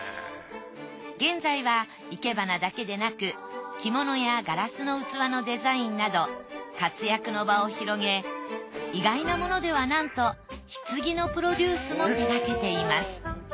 現在は生け花だけでなく着物やガラスの器のデザインなど活躍の場を広げ意外なものではなんと棺のプロデュースも手がけています。